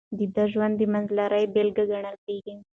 د ده ژوند د منځلارۍ بېلګه ګڼل کېږي.